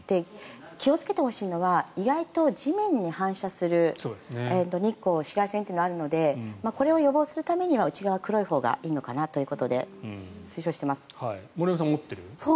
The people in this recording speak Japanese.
気をつけてほしいのは意外と地面に反射する日光、紫外線というのはあるのでこれを予防するためには内側は黒いほうがいいのかなということで森山さん、持ってる？